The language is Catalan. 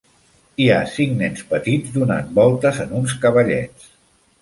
Hi ha cinc nens petits donant voltes en uns cavallets.